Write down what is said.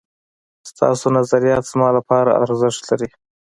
ستاسو نظريات زما لپاره ارزښت لري